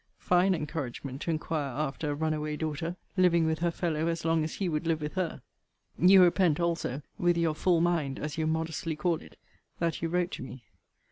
Fine encouragement to inquire after a run away daughter! living with her fellow as long as he would live with her! You repent also (with your full mind, as you modestly call it) that you wrote to me.